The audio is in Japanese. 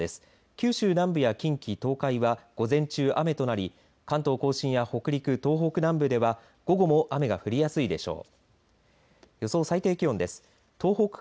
九州南部や近畿、東海は午前中雨となり関東甲信や北陸東北南部では午後も雨が降りやすいでしょう。